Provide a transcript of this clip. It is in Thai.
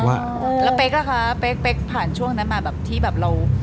แล้วเป๊กอะคะเป๊กผ่านช่วงนั้นมาแบบที่แบบเรา